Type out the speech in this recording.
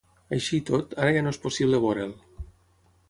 Així i tot, ara ja no és possible veure’l.